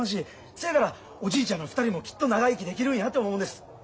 せやからおじいちゃんら２人もきっと長生きできるんやって思うんです。